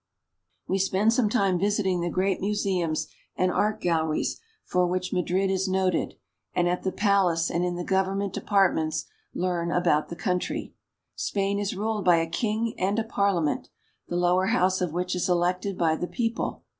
We spend some time visiting the great museums and art galleries for which Madrid is noted, and at the palace and in the government departments learn about the country. Spain is ruled by a King, and a Parliament, the lower house of which is elected by the people.